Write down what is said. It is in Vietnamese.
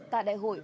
tại đại hội